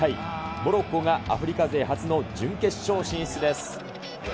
モロッコがアフリカ勢初の準決勝進出です。